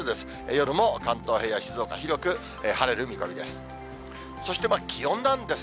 夜も関東平野、静岡、広く晴れる見込みです。